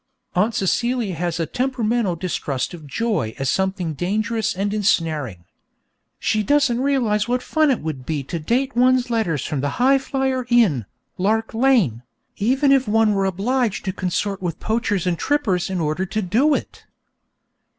Aunt Celia has a temperamental distrust of joy as something dangerous and ensnaring. She doesn't realize what fun it would be to date one's letters from the Highflyer Inn, Lark Lane, even if one were obliged to consort with poachers and trippers in order to do it.